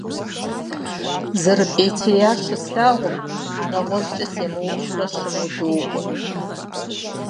ЗэрыпӀейтеяр щыслъагъум, нэгъуэщӀкӀэ семыупщӀурэ, щыму докӀуэ.